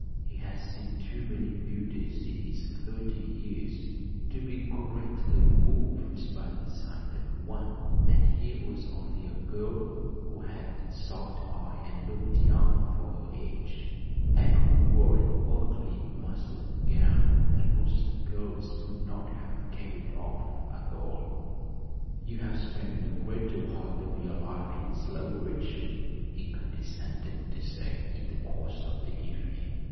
He had seen too many beauties in his thirty years to be greatly moved by the sight of one; and here was only a girl who had soft eyes, and looked young for her age, and who wore an ugly muslin gown, that most girls could not have carried off at all. "You have spent the greater part of your life in Slowbridge?" he condescended to say in the course of the evening.